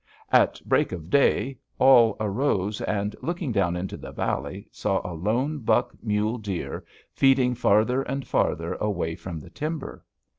"At break of day all arose, and, looking down into the valley, saw a lone, buck mule deer feeding farther and farther away from the timber.